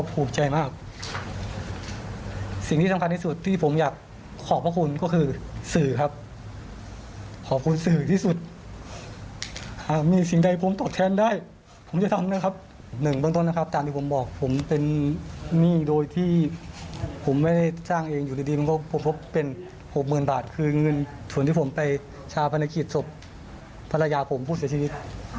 ผมไม่ได้สร้างเองอยู่ดีผมพบเป็น๖๐๐๐บาทคือเงินส่วนที่ผมไปชาวภารกิจศพพระยาผมผู้เสียชีวิต